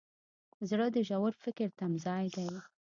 زړه د ژور فکر تمځای دی.